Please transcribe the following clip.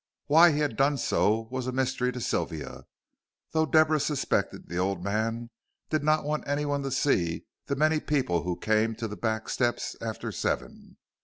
Why he had done so was a mystery to Sylvia, though Deborah suspected the old man did not want anyone to see the many people who came to the back steps after seven.